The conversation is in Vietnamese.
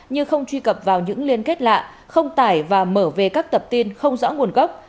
như không truy cập vào những liên kết lạ không tải và mở về các tập tin không rõ nguồn gốc